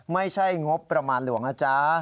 ไม่ใช่งบประมาณหลวงนะจ๊ะ